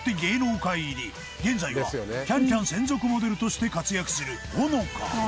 現在は『ＣａｎＣａｍ』専属モデルとして活躍するほのか